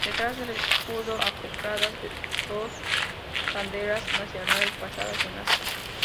Detrás del escudo, acopladas, dos banderas nacionales pasadas en aspa.